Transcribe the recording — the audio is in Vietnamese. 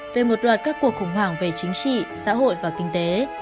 về một loạt các cuộc khủng hoảng về chính trị xã hội và kinh tế